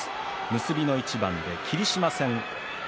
結びの一番で霧島戦。